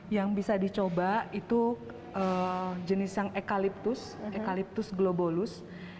yang bisa dicoba itu jenis yang ekaliptus ekaliptus globolus